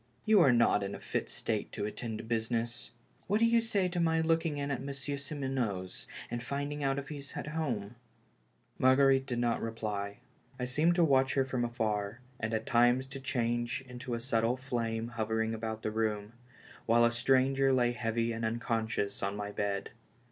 You are not in a fit state to attend to business. What do you say to my looking in at Monsieur Simoneau's and finding out if he's at home ?" Marguerite did not reply. I seemed to watch her from afar, and at times to change into a subtle flame hovering about the room, while a stranger lay heavy and unconscious on my bed.